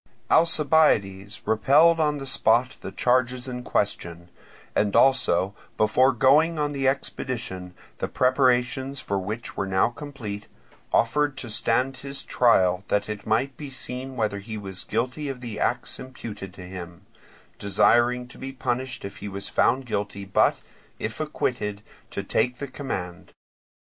Alcibiades repelled on the spot the charges in question, and also before going on the expedition, the preparations for which were now complete, offered to stand his trial, that it might be seen whether he was guilty of the acts imputed to him; desiring to be punished if found guilty, but, if acquitted, to take the command.